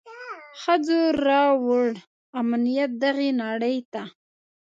ښځو راووړ امنيت دغي نړۍ ته.